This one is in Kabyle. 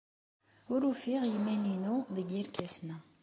Ur ufiɣ iman-inu deg yerkasen-a.